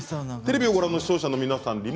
テレビをご覧の視聴者の皆さん